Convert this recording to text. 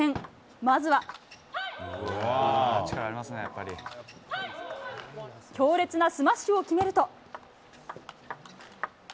まずは強烈スマッシュを決めると。